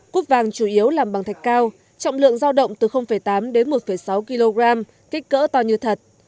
cúp vàng chủ yếu làm bằng thạch cao trọng lượng giao động từ tám đến một sáu kg kích cỡ to như thật